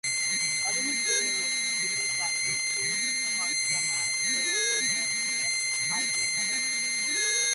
Other material was contributed by Eustace Ponsonby, Philip Braham and Ivor Novello.